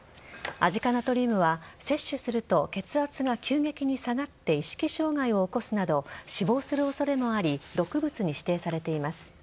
アジ化ナトリウムは摂取すると血圧が急激に下がって意識障害を起こすなど死亡する恐れもあり毒物に指定されています。